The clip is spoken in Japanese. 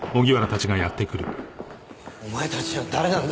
お前たちは誰なんだ？